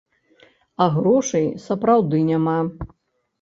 А грошай сапраўды няма.